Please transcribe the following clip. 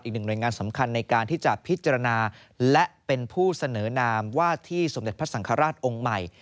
หน่วยงานสำคัญในการที่จะพิจารณาและเป็นผู้เสนอนามว่าที่สมเด็จพระสังฆราชองค์ใหม่